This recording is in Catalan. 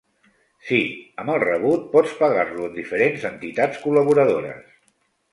Sí, amb el rebut pots pagar-lo en diferents entitats col·laboradores.